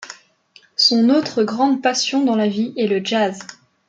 Son autre grande passion dans la vie est le jazz.